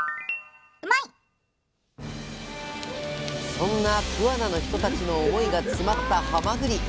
そんな桑名の人たちの思いが詰まったはまぐり。